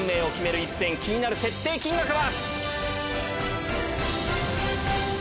一戦、気になる設定金額は？